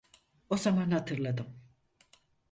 O zaman hatırladım.